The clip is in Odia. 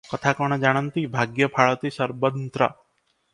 କଥା କଣ ଜାଣନ୍ତି 'ଭାଗ୍ୟ ଫାଳତି ସର୍ବନ୍ତ୍ର' ।